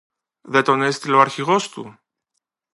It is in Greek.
Δεν τον έστειλε ο Αρχηγός του;